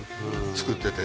作ってて。